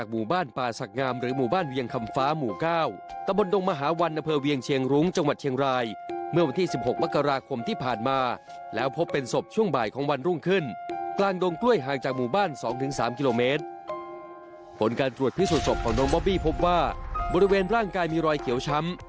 ผลการตรวจพิสูจนศพของน้องบอบบี้พบว่าบริเวณร่างกายมีรอยเขียวช้ำ